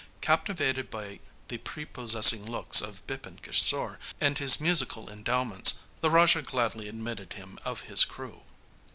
Captivated by the prepossessing looks of Bipin Kisore and his musical endowments, the Raja gladly 'admitted him of his crew.'